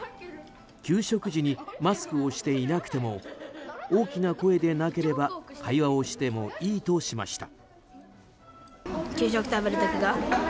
給食時にマスクをしていなくても大きな声でなければ会話をしてもいいとしました。